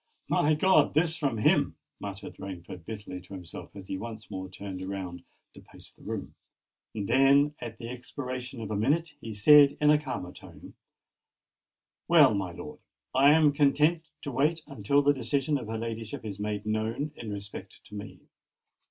"My God! this from him!" muttered Rainford bitterly to himself, as he once more turned round to pace the room: then, at the expiration of a minute, he said in a calmer tone, "Well, my lord—I am content to wait until the decision of her ladyship is made known in respect to me.